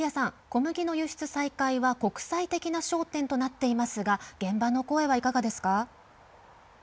小麦の輸出再開は国際的な焦点となっていますが現場の声は、いかがですか。